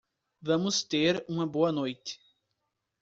Vamos ter uma boa noite